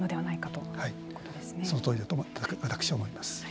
そのとおりだと私は思います。